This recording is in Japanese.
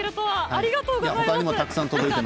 ありがとうございます。